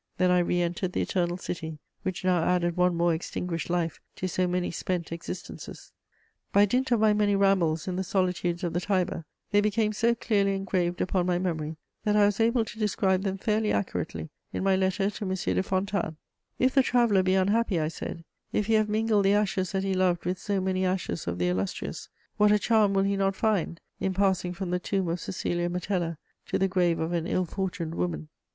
Then I re entered the Eternal City, which now added one more extinguished life to so many spent existences. By dint of my many rambles in the solitudes of the Tiber, they became so clearly engraved upon my memory that I was able to describe them fairly accurately in my Letter to M. de Fontanes: "If the traveller be unhappy," I said, "if he have mingled the ashes that he loved with so many ashes of the illustrious, what a charm will he not find in passing from the tomb of Cæcilia Metella to the grave of an ill fortuned woman!"